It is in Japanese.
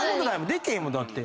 できへんもんだって。